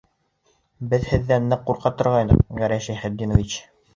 Беҙ һеҙҙән ныҡ ҡурҡа торғайныҡ, Гәрәй Шәйхетдинович!